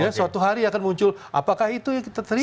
suatu hari akan muncul apakah itu yang kita terima